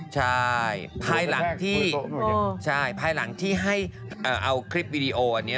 ใช่ภายหลังที่ใช่ภายหลังที่ให้เอาคลิปวิดีโออันนี้